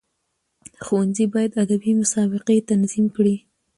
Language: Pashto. ښوونځي باید ادبي مسابقي تنظیم کړي.